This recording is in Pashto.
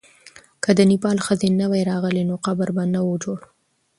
که د نېپال ښځې نه وای راغلې، نو قبر به نه وو جوړ.